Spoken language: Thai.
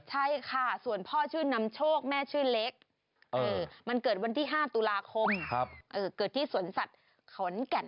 ใช่ค่ะส่วนพ่อชื่อนำโชคแม่ชื่อเล็กมันเกิดวันที่๕ตุลาคมเกิดที่สวนสัตว์ขอนแก่น